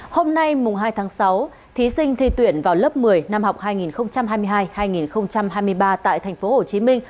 hôm nay mùng hai tháng sáu thí sinh thi tuyển vào lớp một mươi năm học hai nghìn hai mươi hai hai nghìn hai mươi ba tại tp hcm